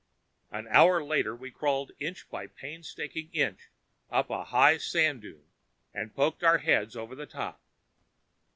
An hour later, we crawled inch by painstaking inch up a high sand dune and poked our heads over the top.